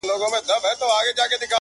ګورستان ته مي ماشوم خپلوان لېږلي٫